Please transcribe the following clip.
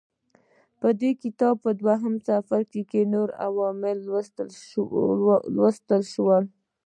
په دې کتاب دویم څپرکي کې نور عوامل لوستل شوي وو.